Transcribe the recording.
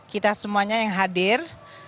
kita semuanya yang hadir